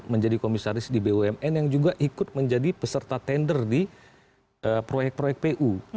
menjadi komisaris di bumn yang juga ikut menjadi peserta tender di proyek proyek pu